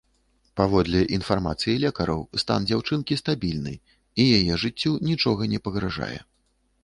Паводле інфармацыі лекараў, стан дзяўчынкі стабільны, і яе жыццю нічога не пагражае.